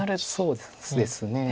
そうですね。